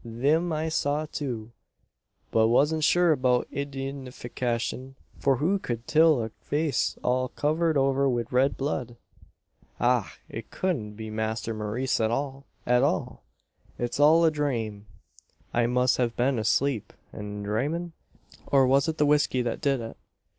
Thim I saw too, but wasn't shure about eyedintifycashin; for who kud till a face all covered over wid rid blood? "Ach! it cudn't be Masther Maurice at all, at all! "It's all a dhrame. I must have been aslape, an dhramin? Or, was it the whisky that did it?